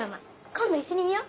今度一緒に見よ？